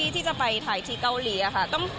ที่จะไปถ่ายที่เกาหลีค่ะ